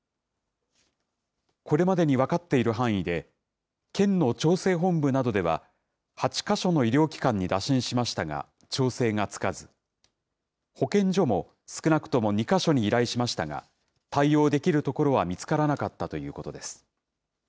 これまでに分かっている範囲で、県の調整本部などでは、８か所の医療機関に打診しましたが調整がつかず、保健所も少なくとも２か所に依頼しましたが、対応できる所は見つからなかったということです。